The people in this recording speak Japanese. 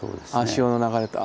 潮の流れと。